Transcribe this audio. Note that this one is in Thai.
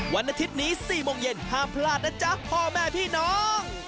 วันอาทิตย์นี้๔โมงเย็นห้ามพลาดนะจ๊ะพ่อแม่พี่น้อง